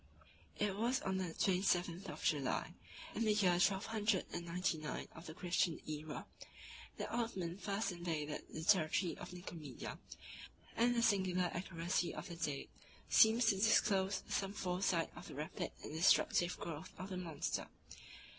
It was on the twenty seventh of July, in the year twelve hundred and ninety nine of the Christian æra, that Othman first invaded the territory of Nicomedia; 40 and the singular accuracy of the date seems to disclose some foresight of the rapid and destructive growth of the monster.